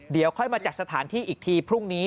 เดี๋ยวค่อยมาจัดสถานที่อีกทีพรุ่งนี้